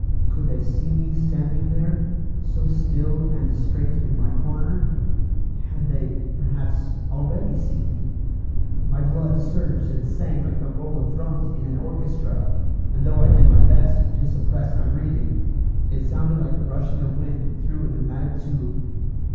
Could they see me standing there, so still and straight in my corner? Had they, perhaps, already seen me? My blood surged and sang like the roll of drums in an orchestra; and though I did my best to suppress my breathing, it sounded like the rushing of wind through a pneumatic tube.